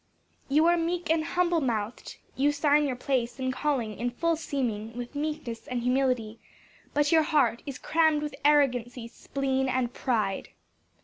"You are meek and humble mouth'd; You sign your place and calling, in full seeming, With meekness and humility; but your heart Is cramm'd with arrogancy, spleen, and pride."